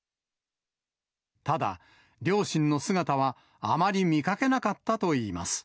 ただ、両親の姿はあまり見かけなかったといいます。